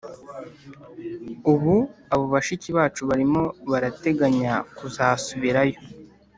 Ubu abo bashiki bacu barimo barateganya kuzasubirayo